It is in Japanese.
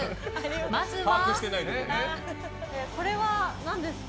まずは。